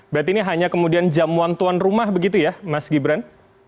berarti ini hanya kemudian jamuan tuan rumah begitu ya mas gibran